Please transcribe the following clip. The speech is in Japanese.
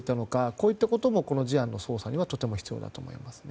こういったこともこの事案の捜査にはとても必要だと思いますね。